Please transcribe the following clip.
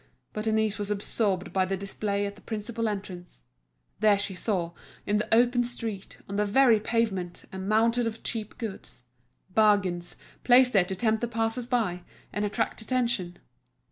But Denise was absorbed by the display at the principal entrance. There she saw, in the open street, on the very pavement, a mountain of cheap goods—bargains, placed there to tempt the passers by, and attract attention.